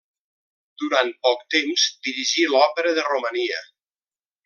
Durant poc temps dirigí, l'Òpera de Romania.